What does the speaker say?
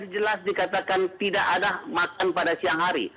jelas dikatakan tidak ada makan pada siang hari